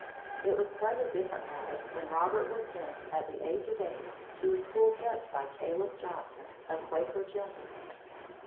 It was quite a different matter when Robert was sent, at the age of eight, to a school kept by Caleb Johnson, a Quaker gentleman.